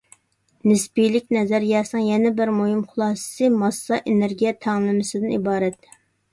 نىسپىيلىك نەزەرىيەسىنىڭ يەنە بىر مۇھىم خۇلاسىسى، ماسسا - ئېنېرگىيە تەڭلىمىسىدىن ئىبارەت.